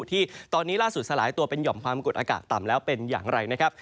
ที่ตอนนี้ล่าสุดสลายตัวเป็นห่อมความกดอากาศต่ำแล้วเป็นอย่างไรนะครับ